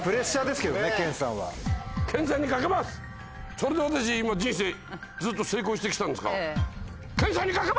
それで私人生ずっと成功してきたんですから。